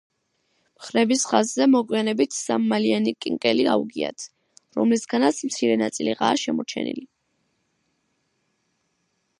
მხრების ხაზზე მოგვიანებით სამმალიანი კანკელი აუგიათ, რომლისგანაც მცირე ნაწილიღაა შემორჩენილი.